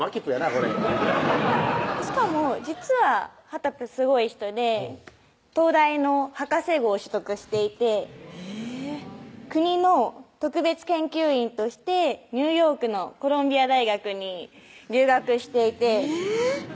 これしかも実ははたぷすごい人で東大の博士号を取得していてえぇ国の特別研究員としてニューヨークのコロンビア大学に留学していてえぇ？